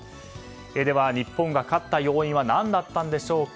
日本が勝った要因は何だったんでしょうか？